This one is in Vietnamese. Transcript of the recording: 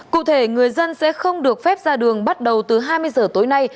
cụ thể người dân sẽ không được phép ra đường bắt đầu từ hai mươi giờ tối nay